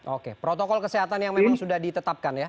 oke protokol kesehatan yang memang sudah ditetapkan ya